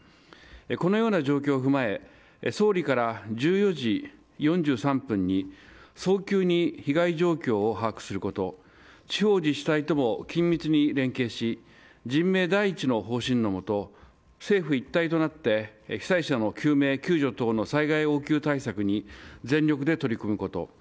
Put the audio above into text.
このような状況を踏まえ総理から１４時４３分に早急に被害状況を把握すること地方自治体とも緊密に連携し人命第一の方針のもと政府一体となって被災者の救命救助等の災害応急対策に全力で取り組むこと。